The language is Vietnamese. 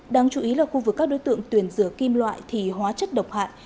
đáng chú ý là khu vực các đối tượng tuyển rửa kim loại thì hóa chất độc hại